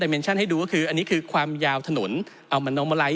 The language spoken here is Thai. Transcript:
ที่เราจะต้องลดความเหลื่อมล้ำโดยการแก้ปัญหาเชิงโครงสร้างของงบประมาณ